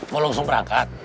mau langsung berangkat